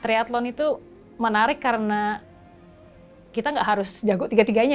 triathlon itu menarik karena kita gak harus jago tiga tiganya